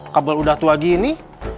kabel udah tua gini